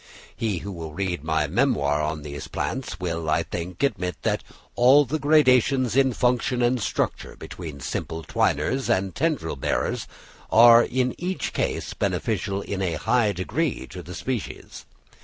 He who will read my memoir on these plants will, I think, admit that all the many gradations in function and structure between simple twiners and tendril bearers are in each case beneficial in a high degree to the species.